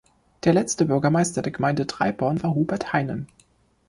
Der letzte Bürgermeister der Gemeinde Dreiborn war Hubert Heinen.